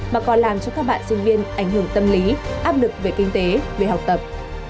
mà còn làm cho các bạn sinh viên ảnh hưởng tâm lý áp lực về kinh tế về học tập